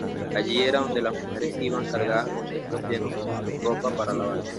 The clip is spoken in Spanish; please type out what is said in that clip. Allí era donde las mujeres iban cargadas con cestos llenos ropa para lavar.